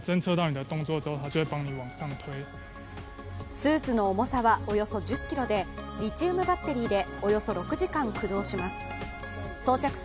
スーツの重さはおよそ１０ｋｇでリチウムバッテリーでおよそ６時間駆動します。